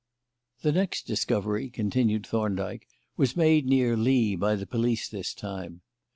"The next discovery," continued Thorndyke, "was made near Lee, by the police this time.